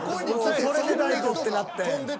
［それで大悟ってなってん］